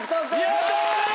やった！